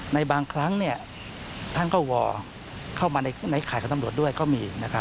ในบางครั้งท่านก็วอเข้ามาในข่ายของตำรวจด้วยก็มี